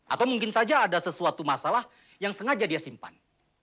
atau mungkin saja ada sesuatu masalah yang sengaja dia simpan